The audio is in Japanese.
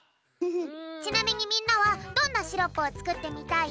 ちなみにみんなはどんなシロップをつくってみたい？